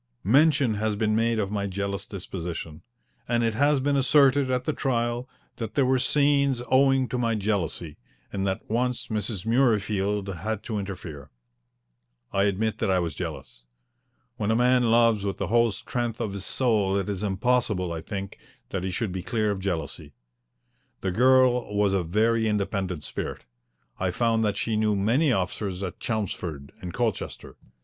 Mention has been made of my jealous disposition, and it has been asserted at the trial that there were scenes owing to my jealousy, and that once Mrs. Murreyfield had to interfere. I admit that I was jealous. When a man loves with the whole strength of his soul it is impossible, I think, that he should be clear of jealousy. The girl was of a very independent spirit. I found that she knew many officers at Chelmsford and Colchester.